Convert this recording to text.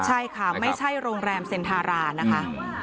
ใช่ค่ะไม่ใช่โรงแรมเซ็นทารานะคะ